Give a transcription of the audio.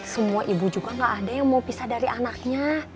semua ibu juga gak ada yang mau pisah dari anaknya